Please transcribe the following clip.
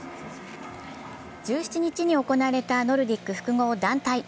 １７日に行われたノルディック複合団体。